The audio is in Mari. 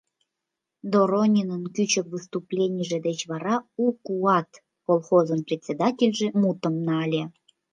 Доронинын кӱчык выступленийже деч вара «У куат» колхозын председательже мутым нале.